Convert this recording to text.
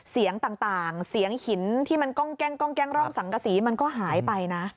เสียงต่างเสียงหินที่มันกล้องสังกษีมันก็หายไปนะ